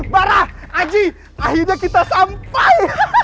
barah aji akhirnya kita sampai